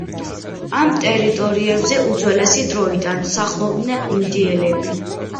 ამ ტერიტორიებზე უძველესი დროიდან, სახლობდნენ ინდიელები.